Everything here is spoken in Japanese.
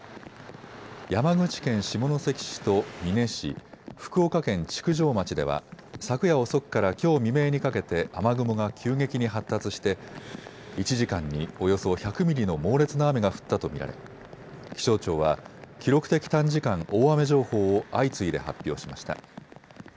山口県下関市と美祢市、福岡県築上町では昨夜遅くからきょう未明にかけて雨雲が急激に発達して１時間におよそ１００ミリの猛烈な雨が降ったと見られ気象庁は記録的短時間大雨情報を相次いで発表しました。